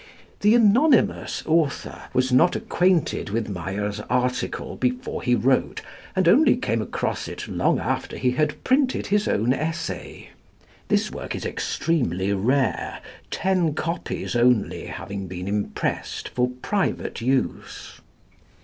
The anonymous author was not acquainted with Meier's article before he wrote, and only came across it long after he had printed his own essay. This work is extremely rare, ten copies only having been impressed for private use.